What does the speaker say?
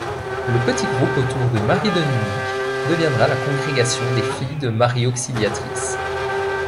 Le petit groupe autour de Marie-Dominique deviendra la congrégation des Filles de Marie-Auxiliatrice.